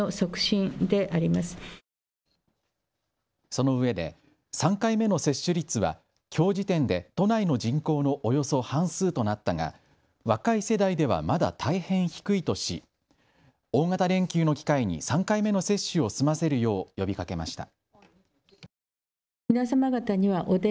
そのうえで、３回目の接種率はきょう時点で都内の人口のおよそ半数となったが若い世代ではまだ大変低いとし大型連休の機会に３回目の接種を済ませるよう呼びかけました。